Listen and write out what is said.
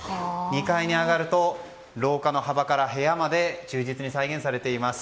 ２階に上がると廊下の幅から部屋まで忠実に再現されています。